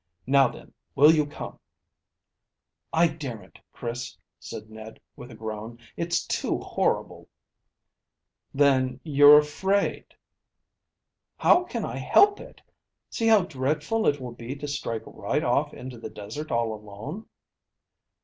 Now then, will you come?" "I daren't, Chris," said Ned, with a groan; "it's too horrible." "Then you're afraid?" "How can I help it? See how dreadful it will be to strike right off into the desert all alone."